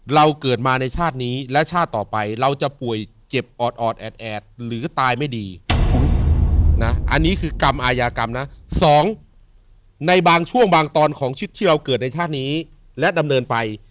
เราเกิดมาในชาตินี้